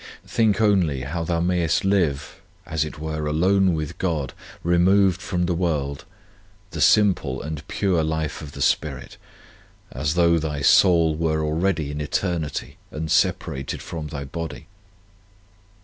Think only how thou mayest live, as it were, alone with God, removed from the world, the simple and pure life of the spirit, as though thy soul were already in eternity and separated from thy body.